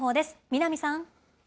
南さん。